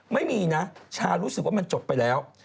ไม่มีนะชารู้สึกว่ามันจบไปแล้ว